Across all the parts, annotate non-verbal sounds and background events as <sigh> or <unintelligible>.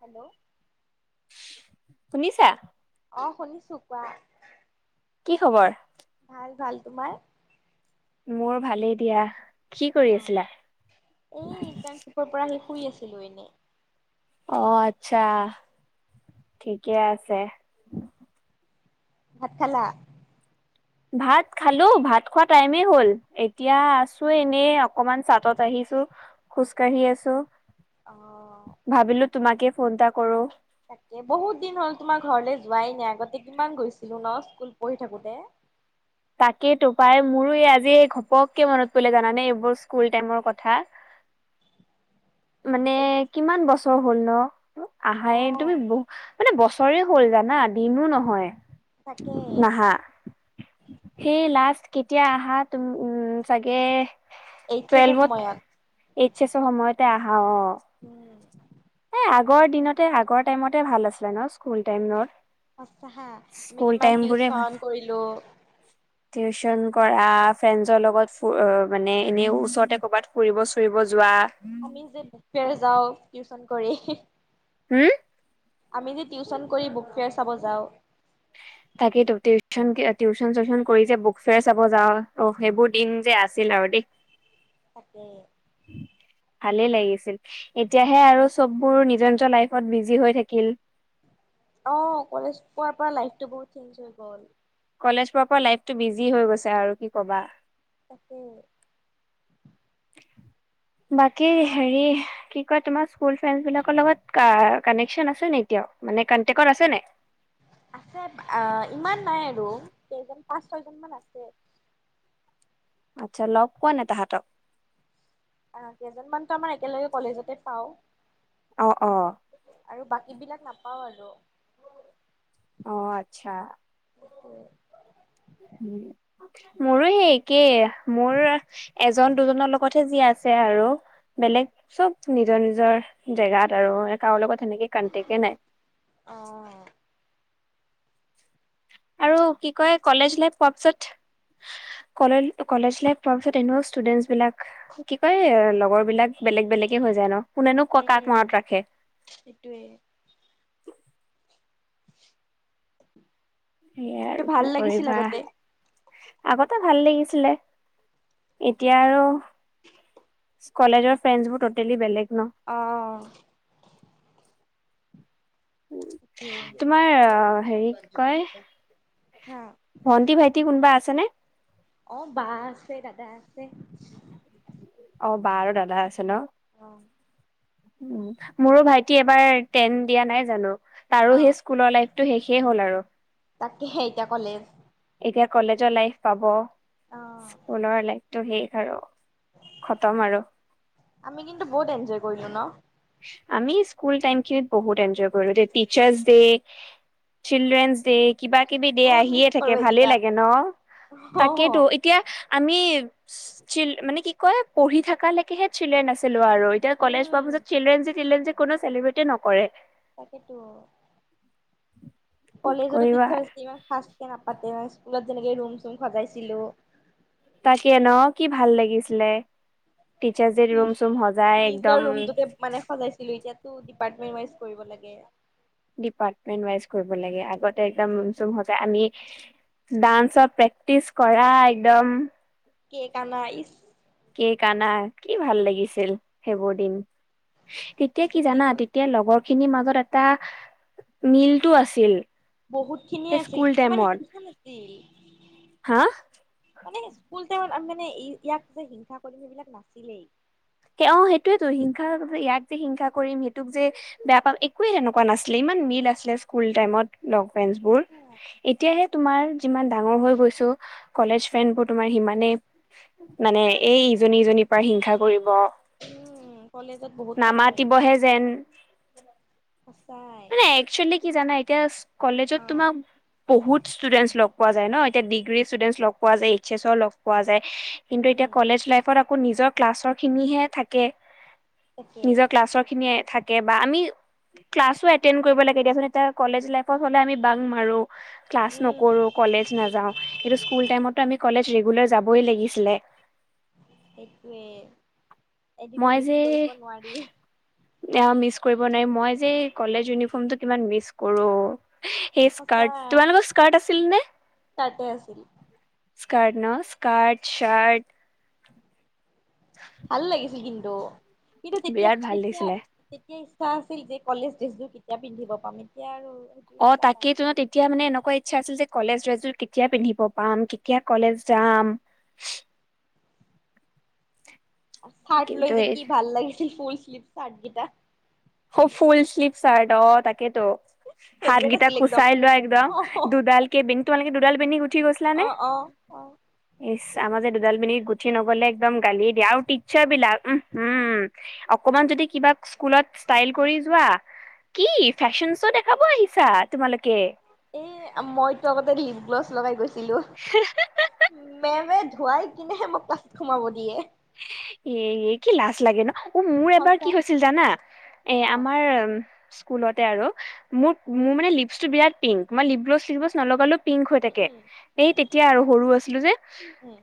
Hello শুনিছা অ' শুনিছোঁ কোৱা কি খবৰ ভাল ভাল তোমাৰ মোৰ ভালেই দিয়া কি কৰি আছিলা এ <unintelligible> পৰা আহি শুই আছিলো এনেই অ' আচ্ছা থিকে আছে ভাত খালা ভাত খালো ভাত খোৱা টাইমেই হ'ল এতিয়া আছোঁ এনে অকমান চাদত আহিছো খোজ কাঢ়ি আছো অ' ভাবিলো তোমাকে ফোন এটা কৰোঁ তাকে বহুত দিন হ'ল তোমাৰ ঘৰলৈ যোৱাই নাই আগতে কিমান গৈছিলো ন স্কুল পঢ়ি থাকোতে তাকেইতো পাই মোৰো এই আজি ঘপককে মনত পৰিলে জানানে এইবোৰ স্কুল টাইমৰ কথা মানে এই কিমান বছৰ হ'ল ন অ আহাই তুমি বহুত মানে বছৰে হ'ল জানা দিনো নহয় তাকে নাহা সেই লাষ্ট কেতিয়া আহা তুম উম চাগে এইচ এছৰ টুৱেলভত সময়ত এইচ এচৰ সময়তে আহা অ' উম এ আগৰ দিনতে আগৰ টাইমতে ভাল আছিলে ন স্কুল টাইমত সঁচা আমি স্কুল কিমান টাইম বোৰে ভাল টিউশন কৰিলোঁ <inaudible> টিউচন কৰা ফ্ৰেণ্ডছৰ লগত মানে এনে ওচৰতে কৰ'বাত ফুৰিব চুৰিব যোৱা আমি যে বুক ফেয়াৰ যাওঁ টিউচন কৰি হুম আমি যে টিউচন কৰি বুক ফেয়াৰ চাব যাওঁ তাকেইতো টিউচন টিউচন চিউচন কৰি যে বুক ফেয়াৰ চাব যাওঁ অ সেইবোৰ দিন যে আছিল আৰু দেই <inaudible> তাকে <inaudible> ভালেই লাগিছিল এতিয়াহে আৰু চববোৰ নিজৰ নিজৰ লাইফত বিজি হৈ থাকিল অ' কলেজ পোৱাৰ পৰা লাইফটো বহুত চেঞ্জ হৈ গ'ল কলেজ পোৱাৰ পৰা লাইফটো বিজি হৈ গৈছে আৰু কি কবা তাকে বাকী হেৰি কি কয় তোমাৰ স্কুল ফ্ৰেণ্ডচ বিলাকৰ লগত কানেকচন আছে নে এতিয়াও মানে কনটেক্টত আছে নে নাই আছে ইমান নাই আৰু কেইজন পাঁচ ছয়জন মান আছে আচ্ছা লগ পোৱা নে তাহাঁতক আ কেইজনমানতো আমাৰ একেলগে কলেজতে পাওঁ অঁ অহ। আৰু বাকী বিলাক নাপাওঁ আৰু। অঁ আচ্ছা। <unintelligible> মোৰো সেই একেই মোৰ এজন দুজনৰ লগত তে যি আছে আৰু বেলেগ চব নিজৰ নিজৰ জেগাত আৰু কাৰো লগত সেনেকে কানক্টেকে নাই। অঁ। আৰু কি কয় কলেজ লাইফ পোৱাৰ পিছত কলে কলেজ লাইফ পোৱাৰ পিছত এনেকুৱা ষ্টুডেন্টচ বিলাক কি কয় লগৰ বিলাক বেলেগ বেলেগে হৈ যায় ন, কোনেনো ক কাক মনত ৰাখে। এইটোৱে। সেইয়া কিন্তু আৰু ভাল কি লাগিছিল কৰিবা! আগতে আগতে ভাল লাগিছিলে, এতিয়া আৰু কলেজৰ ফ্ৰেণ্ডছবোৰ ট'টেলি বেলেগ ন! অঁ। তোমাৰ অ হেৰি কি কয় হা! ভণ্টি ভাইটি কোনবা আছেনে? অঁ বা আছে দাদা আছে। অ বা আৰু দাদা আছে ন। অ'। উম মোৰো ভাইটি এবাৰ টেন দিয়া নাই জানো, তাৰো অ' সেই স্কুলৰ লাইফ টো শেষে হ'ল আৰু। তাকেহে এতিয়া কলেজ এতিয়া কলেজৰ লাইফ পাব, অ'। স্কুলৰ লাইফটো শেষ আৰু। খতম আৰু। আমি কিন্তু বহুত এনজয় কৰিলো ন। আমি স্কুল টাইম খিনিত বহুত এনজয় কৰিলোঁ দেই, টিচাৰ্ছ ডে চিলড্ৰেনছ ডে কিবা কিবি ডে বহুত মিচ আহিয়ে থাকে কৰো ভালেই এইকেইটা। লাগে ন, তাকেতো অ' ই এতিয়া আমি চিল মানে কি কয় পঢ়ি থকালেকেহে চিল্ড্ৰেন আছি ছিলো আৰু এতিয়া কলেজ পোৱাৰ উম পাছত চিলড্ৰেন ডে চিল্ৰেন ডে কোনো চিলেব্ৰেটে নকৰে। তাকেইতো। <inaudible> কলেজতো কৰিবা টিচাৰ্ছ ডে ইমান খাচকে নাপাতে, স্কুলত যেনেকে ৰুম চুম সজাইছিলো। তাকে ন কি ভাল লাগিছিলে! টিচাৰ্ছ ডেত ৰুম চুম সজাই নিজৰ একদম ৰুমটোতে মানে সজাইছিলো এতিয়াতো ডিপাৰ্টমেণ্ট ৱাইজ কৰিব লাগে। ডিপাৰ্টমেন্ট ৱাইজ কৰিব লাগে, আগতে একদম ৰুম চুম সজাই আমি ডান্সৰ প্ৰেক্টিচ কৰা একদম কেক আনা ইছ! কেক আনা কি ভাল লাগিছিল সেইবোৰ দিন! তেতিয়া কি গুচি জানা? গ'ল। তেতিয়া লগৰ খিনি মাজত এটা মিলটো আছিল। বহুত সেই খিনিয়ে আছিল, স্কুল ইমান টাইমত হিংসা নাছিল। হা মানে স্কুল টাইত আমি মানে ইয়াক যে হিংসা কৰিম সেইবিলাক নাছিলেই। অঁ সেইটোৱেতো হিংসা ইয়াক যে হিংসা কৰিম সেইটোক যে বেয়া পাম একোৱে সেনেকুৱা নাছিলে ইমান মিল আছিলে স্কুল টাইমত লগ ফেঞ্চবোৰ সঁচা, এতিয়াহে তোমাৰ যিমান ডাঙৰ হৈ গৈছো কলেজ ফ্ৰেন্ড বোৰ তোমাৰ সিমানেই মানে এই ইজনী ইজনীৰ পা হিংসা কৰিব উম কলেজত বহুত পাইছো এনেকে নামাতিবহে যেন সঁচাই আচলতে কি জানা এতিয়া কলেজত অ তোমাক বহুত ষ্টুডেন্টছ লগ পোৱা যায় ন এতিয়া ডিগ্ৰী ষ্টুডেন্টছ লগ পোৱা যায় এইচ এছৰ লগ পোৱা যায় কিন্তু এতিয়া উম। কলেজ লাইফত আকৌ নিজৰ ক্লাছৰ খিনিহে থাকে তাকে নিজৰ ক্লাছৰ খিনিয়ে থাকে বা আমি ক্লাছ তো এণ্টেন‌ কৰিব লাগে দিয়াচোন এতিয়া কলেজ লাইফত হলে আমি বাং মাৰো ক্লাছ উম নকৰো কলেজ নাযাও সেইটো স্কুল টাইমতো আমি কলেজ ৰেগুলাৰ যাবই লাগিছিলে সেইটোৱে এদিনো মিচ কৰিব নোৱাৰি অ মিচ কৰিব নোৱাৰি মই যে কলেজ ইউনিফৰ্মটো কিমান মিচ কৰোঁ সেই স্কাৰ্ট তোমালোকৰ স্কাৰ্ট আছিলনে স্কাৰ্টে আছিল স্কাৰ্ট ন স্কাৰ্ট চাৰ্ট ভাল লাগিছিল কিন্তু কিন্তু তেতিয়া বিৰাট ভাল তেতিয়া লাগিছিলে তেতিয়া ইচ্ছা আছিল যে কলেজ ড্ৰেছযোৰ কেতিয়া পিন্ধিব পাম এতিয়া আৰু সেইটো অ ইচ্ছা নাই। তাকেইতো ন তেতিয়া তেতিয়া মানে এনেকুৱা ইচ্ছা আছিল যে কলেজ ড্ৰেছযোৰ কেতিয়া পিন্ধিব পাম কেতিয়া কলেজ যাম চাৰ্ট কিন্তু লৈ যে এই কি ভাল লাগিছিল ফুল স্লিভ চাৰ্ট গিটা অ ফুল শ্লিভ চাৰ্ট অ তাকেতো ফেভৰেট হাতগিটা আছিল একদম। কুচাই লোৱা একদম অ দুডাল কে বেনি তোমালোকে দুডাল বেনী গুঠি গৈছিলা অ নে অ অ ইচ আমাৰ যে দুডাল বেনি গুঠি নগলে একদম গালিয়ে দিয়া আৰু টিচাৰ্ছ বিলাক উম হু অকমান যদি কিবা স্কুলত ষ্টাইল কৰি যোৱা কি ফেশ্বন শ্ব' দেখাব আহিছা তোমালোকে এ মই তো আগতে লিপ গ্ল'ছ লগাই গৈছোঁ ছিলো মেমে ধুৱাই কিনেহে মোক ক্লাছত সোমাব দিয়ে ইয়ে ইয়ে কি লাজ লাগে ন অ মোৰ এবাৰ কি সঁচা হৈছিল জানা এ অ আমাৰ স্কুলতে আৰু মোৰ মোৰ মানে লিচছটো বিৰাট পিং মই লিপ গ্লছ চিপ গ্লছ নলগালৌ পিংক হৈ উম থাকে উম সেই তেতিয়া আৰু সৰু আছিলোঁ যে উম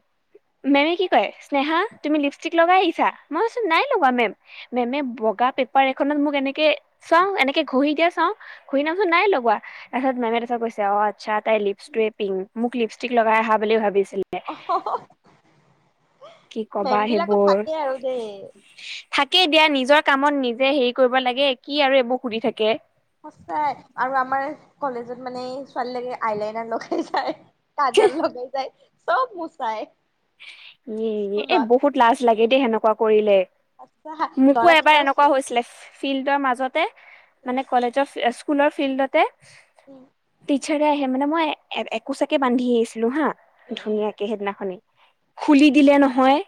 মেমে কি কয় স্নেহা তুমি লিপষ্টিক লগাই আহিছা মই কৈছো নাই লগোৱা মেম মেমে বগা পেপাৰ এখনত মোক এনেকে চাও এনেকে ঘহি দিয়া চাওঁ ঘহি দিয়াচোন নাই লগোৱা তাৰপিছত মেমে তাৰপাছত কৈছে অ আচ্ছা তাই লিপছ্টোৱে পিং মোক লিপষ্টিক লগাই আহা বুলি ভাবিছিলে কি মেম বিলাকো থাকে আৰু দেই থাকেই দিয়া নিজৰ কামত নিজে হেৰি কৰিব লাগে কি আৰু এইবোৰ সুধি থাকে সঁচাই আৰু আমাৰ কলেজত মানে ছোৱালী লকে আইলাইনাৰ লগাই যায় কাজল লগাই যায় চব মোচায় ইয়ে ইয়ে এ বহুত লাজ লাগে দেই সেনেকুৱা কৰিলে আচ্ছা মোকো এবাৰ ল'ৰাকেইটাৰ এনেকুৱা হৈছিলে ফিল্ডৰ মাজতে উম মানে কলেজ স্কুলৰ ফিল্ডতে উম। টিচাৰে আহে মানে মই একোচাকে বান্ধি আহিছিলোঁ হা উম উম ধুনীয়াকে সেইদিনাখনি। খুলি দিলে নহয়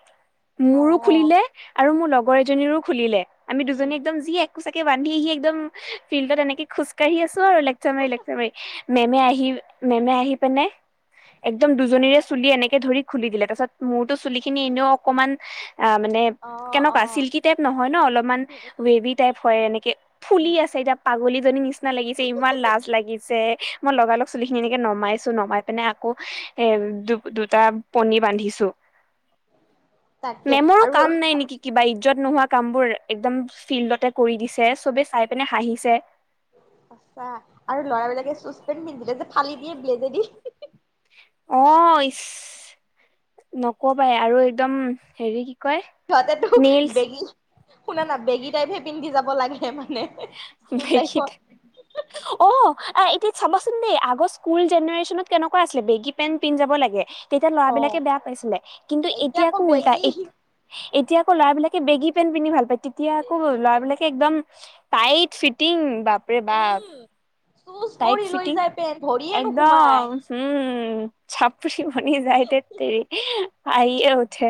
মোৰো অ' খুলিলে আৰু লগৰ এজনীৰো খুলিলে। আমি উম দুজনী একদম যি একোচাকে বান্ধি আহি একদম ফিল্ডত এনেকে খোজ কাঢ়ি আছোঁ আৰু লেকচাৰ মাৰি লেকচাৰ মাৰি। মেমে আহি মেমে আহি পিনে একদম দুজনীৰে চুলি এনেকে ধৰি খুলি দিলে তাৰ পিছত মোৰতো চুলি খিনি এনেও অকনমান অ মানে অ' অ' কেনেকুৱা চিল্কি টাইপ নহয় ন অলপমান উম উম ৱেভী টাইপ এনেকে ফুলি উম আছে এতিয়া পাগলী জনীৰ নিচিনা লাগিছে ইমান লাজ লাগিছে। মই লগালগ চুলিখিনি এনেকে নমাইছো নমাই পিনে আকৌ এ দু দুটা পনী বান্ধিছো, তাকে মেমৰো আৰু কাম নাই নেকি কিবা ইজ্জত নোহোৱা কামবোৰ একদম ফিল্ডতে কৰি দিছে, চবেই চাই পিনে হাঁহিছে। সঁচা আৰু লৰা বিলাকে চুইজ পেণ্ট পিন্ধিলে যে ফালি দিয়ে ব্লেডেদি। অহ ইচ নকবায় আৰু একদম হেৰি কয় সিহঁতেতো নেইলছ বেগী শুনা না বেগী টাইপ হে পিন্ধি যাব লাগে মানে। স্কুল বেগী লাইফত টাইপ। অ এতিয়া চাবাচোন দেই আগৰ স্কুল জেনেৰে্শনত কেনেকুৱা আছিলে বেগী পেনট পিন্ধি যাব লাগে। তেতিয়া অ' ল'ৰাবিলাকে বেয়া পাইছিলে, কিন্তু এতিয়া আকৌ উল্টা এতিয়া আকৌ ল'ৰাবলাকে বেগী পেন্ট পিন্ধি ভাল পায়, তেতিয়া আকৌ ল'ৰাবিলাকে একদম টাইট ফিটিং বা বাপৰে বাপ উম চুজ টাইট কৰি লৈ ফিটিং যায় পেন ভৰিয়ে একদম। নোসোমাই উম চাপ্ৰী বনি যায় ধেৎ তেৰি, হাঁহিয়ে উঠে।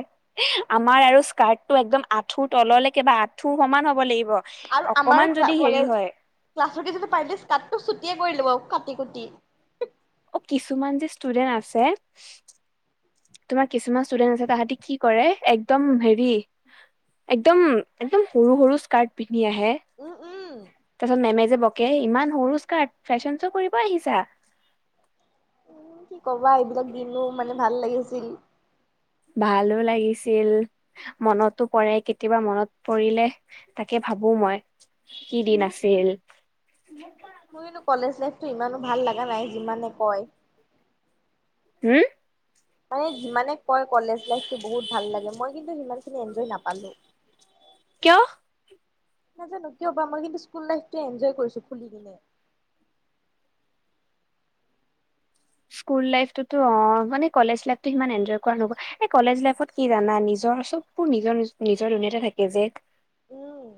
আমাৰ আৰু স্কাৰ্ট টো একদম আঁঠুৰ তললৈকে বা আঁঠুৰ সমান হ'ব লাগিব। আৰু আমাৰ অকমান যদি হেৰি কলেজ হয় ক্লাছ যিটো পাৰিলেটো স্কাটো ছুটিয়ে কৰি লব কাটি কুটি। অ কিছুমান যে ষ্টুডেন্ট আছে তোমাৰ কিছুমান ষ্টুডেন্ট আছে তাহাঁতি কি কৰে একদম হেৰি একদম একদম সৰু সৰু স্কাৰ্ট পিন্ধি আহে। উম উম তাৰ পিছত মেমে যে বকে ইমান সৰু স্কাৰ্ট ফেশ্বন শ্ব' কৰিব আহিছা। উম কি নো ক'বা এইবিলাক দিনো মানে ভাল লাগিছিল। ভালো লাগিছিল মনতো পৰে, কেতিয়াবা মনত পৰিলে তাকে ভাবো মই কি দিন আছিল। <unintelligible> মোৰ কিন্তু কলেজ লাইফটো ইমানো ভাল লগা নাই যিমানে কয়। হম! মানে যিমানে কয় কলেজ লাইফটো বহুত ভাল লাগে, মই কিন্তু সিমানখিনি এনজয় নাপালো। কিয়? নাজানো কিয় বা মই কিন্তু স্কুল লাইফটো এনজয় কৰিছো খুলি কিনে। স্কুল লাইফটোতো অ, মানে কলেজ লাইফটো সিমান এনজয় কৰা নহ'ল। এই কলেজ লাইফত কি জানা নিজৰ চব বোৰ নিজৰ নি নিজৰ দুনিয়াতে থাকে যে। উম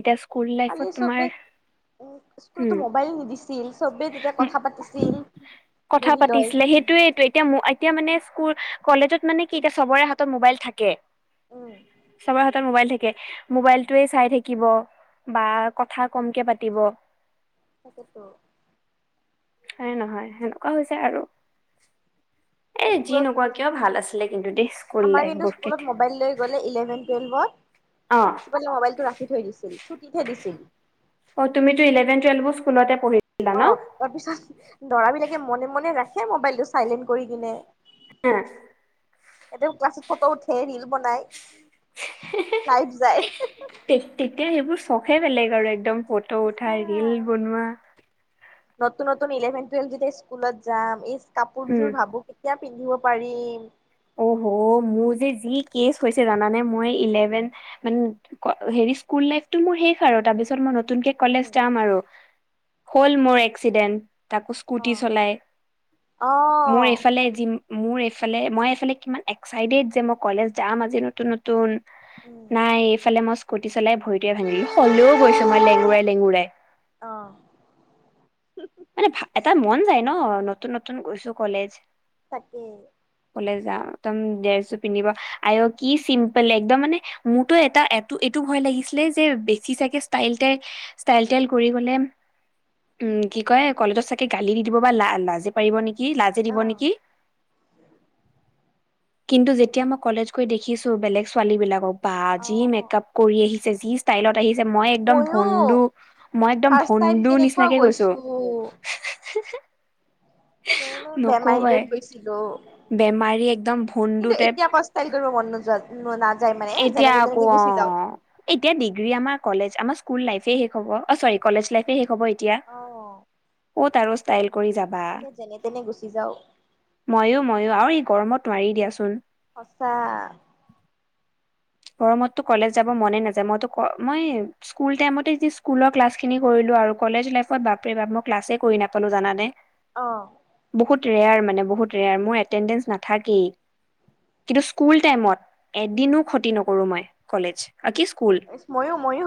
এতিয়া স্কুল লাইফত তোমাৰ স্কুলত টো উম মোবাইল নিদিছিল সবে তেতিয়া কথা পাতিছিল। কথা বহি লৈ পাতিছিলে। সেইটোয়েইটো, এতিয়া এতিয়া মানে স্কুল কলেজত মানে কি এতিয়া চবৰে হাতত মোবাইল থাকে। উম চবৰ হাতত মোবাইল থা কে। মোবাইলটোয়ে চাই থাকিব বা কথা কমকে পাতিব। তাকে টো। হয় নে নহয় সেনেকুৱা হৈছে আৰু। এ কিন্তু যি স্কুলত নোকোৱা কিয় ভাল আছিলে কিন্তু দেই স্কুল আমাৰ লাইফ কিন্তু বোৰ। স্কুলত মোবাইল লৈ গ'লে ইলেভেন টুৱেল্ভত অ প্ৰিন্সিপালে মোবাইল টো ৰাখি থৈ দিছিল ছুটিতহে দিছিল। অ' তুমিটো ইলেভন টুৱেলভ ও স্কুলতে পঢ়িলা। অ' তাৰপিছত ল'ৰা বিলাকে মনে মনে ৰাখে মোবাইলটো চাইলেণ্ট কৰি কিনে। এ'। ইয়াতেও ক্লাছত ফটো উঠে ৰীল বনাই, লাইভ যায় তে তেতিয়া সেইবোৰ চখে বেলেগ আৰু একদম ফটো সঁচা উঠাই ৰিল বনোৱা, তে নতুন নতুন ইলেভেন, টুৱেলভ যেতিয়া স্কুলত যাম, এই উম কাপোৰযোৰ ভাবো কেতিয়া পিন্ধিব পাৰিম। অহ, হ', মোৰ যে যি কেচ হৈছে জানানে, মই ইলেভেন মানে হেৰি স্কুল লাইফটো মোৰ শেষ আৰু, তাৰপিছত মই নতুনকে কলেজ উম যাম আৰু, হ'ল মোৰ এক্সিডেণ্ট। তাকো উম অ স্কুটি চলাই, অ মোৰ এইফালে যি, মোৰ এইফালে মই মানে কিমান এক্সাইটেড যে, মই কলেজ যাম আজি নতুন নতুন, উম নাই এইফালে মই স্কুটি চলাই ভৰিটোৱে ভঙিলো, হ'লেও গৈছো মই লেঙুৰাই, লেঙুৰাই। অ'। মানে, ভা, এটা মন যায় ন, নত নতুন, নতুন গৈছো কলেজ। তাকে। কলেজ যাওঁ, একদম ড্ৰেছজোৰ পিন্ধিব আইঅ' কি চিম্পুল একদম মানে মোৰতো এটা এইটো এইটো ভয় লাগিছিলে যে বেছি চাগে ষ্টাইল টাই ষ্টাইল টাইল কৰি গ'লে উম কি কয় কলেজত চাগে গালি দি দিব, বা লা লাজ পাৰিব নেকি, লাজে দিব অ নেকি কিন্তু যেতিয়া মই কলেজ গৈ দেখিছো বেলেগ ছোৱালী বিলাকক, বা অ যি মেকাপ কৰি আহিছে, যি ষ্ট ষ্টাইলত আহিছে, মই একদম ভনদু ময়ো মই একদম ভনদু নিচিনাকে গৈছো। অ', সেই মই বেমাৰী নকবাই তাত গৈছিলো। বেমাৰী একদম ভণ্ডু কিন্তু টাইপ এতিয়া আকৌ ষ্টাইল কৰিব মন নোযোৱা নাযায় এ মানে, এতিয়া যেনেকে আকৌ তেনেক অ গুচি যাওঁ। এতিয়া ডিগ্ৰী আমাৰ কলেজ আমাৰ স্কুল লাইফে শেষ হ'ব, অ' চৰি কলেজ লাইফে শেষ হ'ব এতিয়া। অ'। ক'ত আৰু ষ্টাইল কৰি যাম। এতিয়া যেনে তেনে গুচি যাওঁ। ময়ো, ময়ো আৰু এই গৰমত নোৱাৰি দিয়াচোন। সঁচা। গৰমতটো কলেজ যাব মনে নাযায়। মইতো গৰ মই স্কুল টাইমতে যি স্কুলৰ ক্লাছ খিনি কৰিলো আৰু, কলেজ লাইফত বাপৰে বাপ মই ক্লাছে কৰি নাপালো জানানে? অঁ। বহুত ৰেয়াৰ মানে, বহুত ৰেয়াৰ, মোৰ এটেণ্ডেঞ্চ নাথাকেই। কিন্তু স্কুল টাইমত উম এদিনো ক্ষতি নকৰোঁ মই, কলেজ আ কি স্কুল। ময়ো ময়ো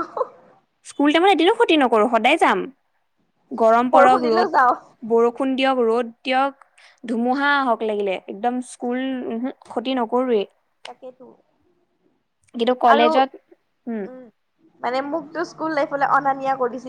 স্কুল টাইমত এদিনো ক্ষতি নকৰোঁ সদায় যাম, গৰম বৰষুণ পৰক দিলেও ৰ'দ যাওঁ বৰষুণ দিয়ক, ৰ'দ দিয়ক। ধুমুহা আহক লাগিলে, একদম স্কুল, উমহুম ক্ষতি নকৰোঁৱেই। তাকেটো। কিন্তু কলেজত, হুম। উম মানে মোকটো স্কুল লাইফলৈ অনা নিয়া কৰিছিল।